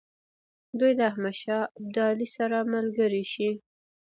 دوی د احمدشاه ابدالي سره ملګري شي.